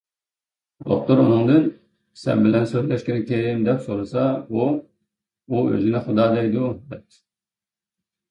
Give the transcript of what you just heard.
دوختۇر ئۇنىڭدىن:« سەن بىلەن سۆزلەشكىنى كىم؟» دەپ سورىسا، ئۇ:« ئۇ ئۆزىنى خۇدا دەيدۇ» دەپتۇ.